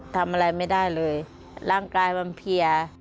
ทำอะไรไม่ได้เลยร่างกายมันเพีย